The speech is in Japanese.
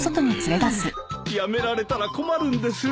辞められたら困るんです。